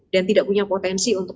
dan tidak punya potensi untuk